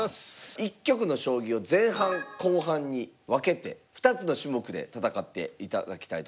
一局の将棋を前半後半に分けて２つの種目で戦っていただきたいと思います。